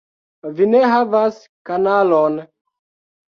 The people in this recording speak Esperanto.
- Vi ne havas kanalon